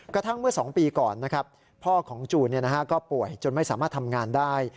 กระทั่งเมื่อ๒ปีก่อนนะครับพ่อของจูนก็ป่วยจนไม่สามารถทำงานได้